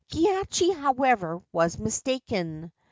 Kihachi, however, was mistaken.